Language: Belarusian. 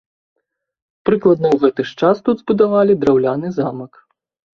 Прыкладна ў гэты ж час тут збудавалі драўляны замак.